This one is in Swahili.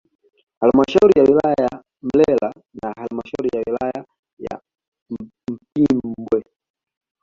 Halmashauri ya wilaya ya Mlele na halmashauri ya wilaya ya Mpimbwe